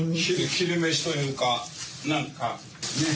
昼飯というか何かねっ。